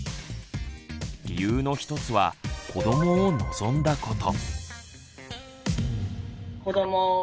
理由の一つは子どもを望んだこと。